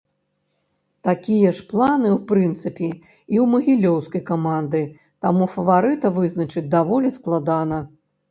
Такія ж планы ў прынцыпе і ў магілёўскай каманды, таму фаварыта вызначыць даволі складана.